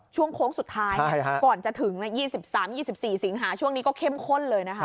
โค้งสุดท้ายก่อนจะถึง๒๓๒๔สิงหาช่วงนี้ก็เข้มข้นเลยนะคะ